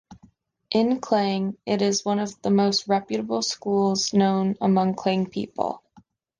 In Klang, it is one of the most reputable schools known among Klang people.